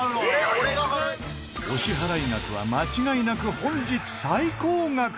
お支払額は間違いなく本日最高額